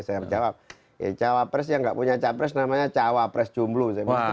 saya jawab ya cawapres yang nggak punya capres namanya cawapres jumlu